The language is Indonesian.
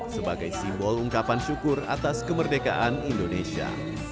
sebagai simbol ungkapan syukur atas kemerdekaan indonesia